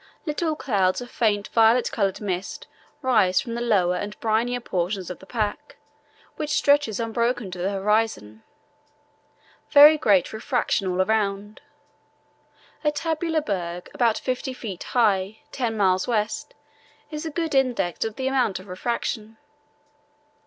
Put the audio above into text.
Little clouds of faint violet coloured mist rise from the lower and brinier portions of the pack, which stretches unbroken to the horizon. Very great refraction all round. A tabular berg about fifty feet high ten miles west is a good index of the amount of refraction.